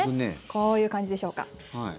こういう感じでしょうか。